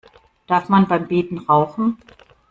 Darf man beim Beten rauchen?